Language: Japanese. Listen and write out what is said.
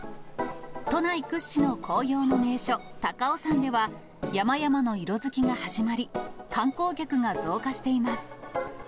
都内屈指の紅葉の名所、高尾山では、山々の色づきが始まり、観光客が増加しています。